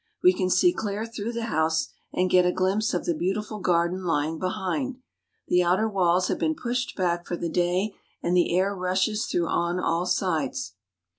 We can see clear through the house and get a glimpse of the beautiful garden lying behind. The outer walls have been pushed back for the day, and the air rushes through on all sides.